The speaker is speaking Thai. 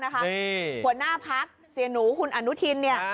หัวหน้าพักเสียหนูคุณอนุทินเนี่ย